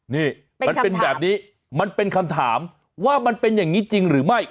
นี่มันเป็นแบบนี้มันเป็นคำถามว่ามันเป็นอย่างนี้จริงหรือไม่